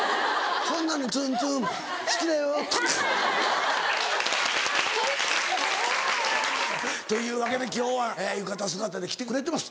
それなのにツンツン「好きだよ」。というわけで今日は浴衣姿で来てくれてます。